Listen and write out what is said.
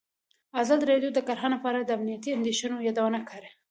ازادي راډیو د کرهنه په اړه د امنیتي اندېښنو یادونه کړې.